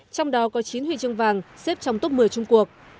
trong đó có chín huy chương vàng xếp trong tốt một mươi trung quốc